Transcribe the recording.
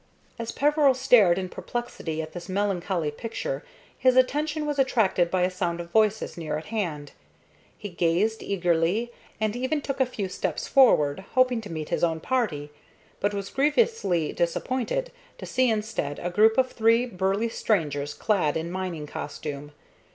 As Peveril stared in perplexity at this melancholy picture his attention was attracted by a sound of voices near at hand. He gazed eagerly, and even took a few steps forward, hoping to meet his own party, but was grievously disappointed to see instead a group of three burly strangers clad in mining costume.